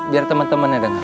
biar teman temannya denger